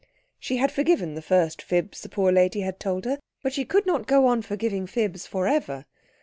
She had forgiven the first fibs the poor lady had told her, but she could not go on forgiving fibs for ever.